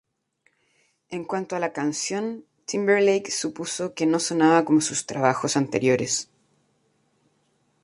En cuanto a la canción, Timberlake supuso que no sonaba como sus trabajos anteriores.